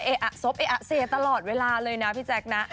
อ่ะซบเออะเซตลอดเวลาเลยนะพี่แจ๊คนะ